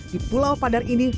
di pulau padar ini